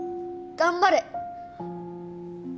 頑張れ。